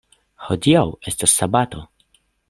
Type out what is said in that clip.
Hodiaŭ estas sabato.